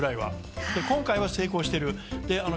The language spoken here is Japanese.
今回は成功している。